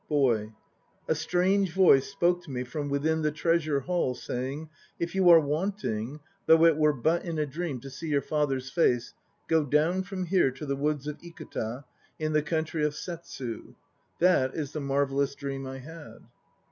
BOY. A strange voice spoke to me from within the Treasure Hall, saying, "If you are wanting, though it were but in a dream, to see your father's face, go down from here to the woods of Ikuta in the country of Settsu." That is the marvellous dream I had.